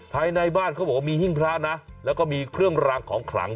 ภายในบ้านเขาบอกว่ามีหิ้งพระนะแล้วก็มีเครื่องรางของขลัง